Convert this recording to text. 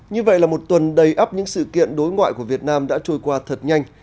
như vậy là một tuần đầy ấp những sự kiện đối ngoại của việt nam đã trôi qua thật nhanh